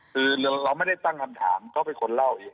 คือเราไม่ได้ตั้งคำถามเขาเป็นคนเล่าเอง